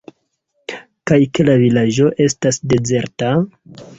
Kaj ke la vilaĝo estas dezerta?